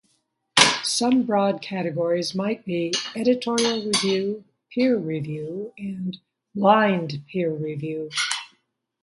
Some broad categories might be "editorial review", "peer review", and "blind peer review".